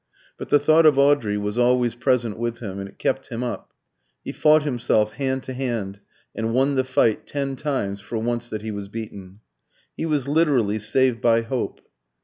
But the thought of Audrey was always present with him; and it kept him up. He fought himself hand to hand, and won the fight ten times for once that he was beaten. He was literally saved by hope.